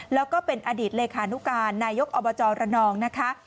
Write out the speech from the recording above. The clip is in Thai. แล้วก็เป็นอดีตเลขานุการนายกอบจรนองนะคะ